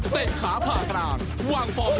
เตะขาผ่ากลางวางฟอร์มระเบิดมา